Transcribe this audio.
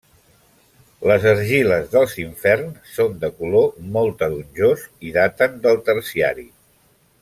Les argiles dels Inferns són de color molt taronjós i daten del Terciari.